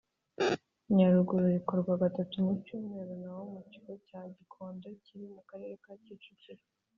Nyaruguru rikorwa gatatu mu cyumweru naho mu kigo cya gikondo kiri mu karere ka kicukiro